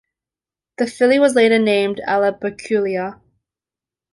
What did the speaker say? The filly was later named Allabaculia.